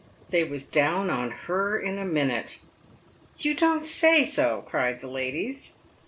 They was down on her in a minute." " You don't say so !" cried the ladies.